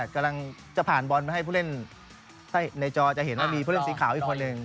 การบอลให้ผู้เล่นในจอจะเห็นว่ามีผู้เล่นสีขาวอีกคนหนึ่ง